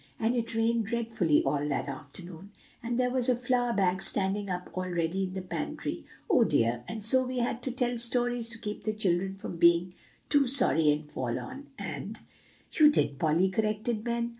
And it rained dreadfully all that afternoon; and there was the flour bag standing up all ready in the pantry, oh, dear! and so we had to tell stories to keep the children from being too sorry and forlorn, and" "You did, Polly," corrected Ben.